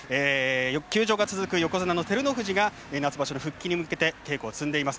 休場が続く横綱の照ノ富士が夏場所の復帰に向けて稽古を積んでいます。